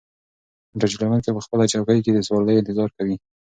موټر چلونکی په خپله چوکۍ کې د سوارلۍ انتظار کوي.